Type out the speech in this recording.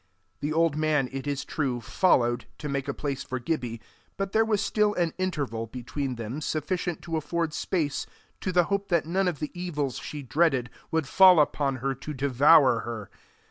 The old man, it is true, followed, to make a place for Gibbie, but there was still an interval between them sufficient to afford space to the hope that none of the evils she dreaded would fall upon her to devour her.